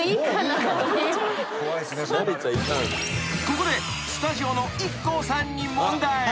［ここでスタジオのＩＫＫＯさんに］